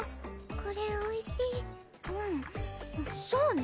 これおいしいうんそうね